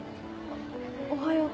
おはよう。